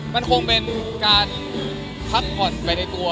มันคงเป็นการพักผ่อนไปในตัว